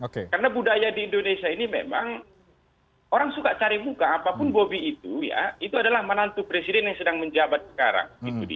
karena budaya di indonesia ini memang orang suka cari muka apapun bobi itu ya itu adalah menantu presiden yang sedang menjabat sekarang